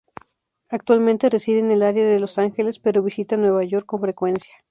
Actualmente, reside en el área de Los Ángeles, pero visita Nueva York con frecuencia.